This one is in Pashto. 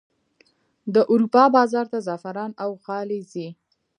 د اروپا بازار ته زعفران او غالۍ ځي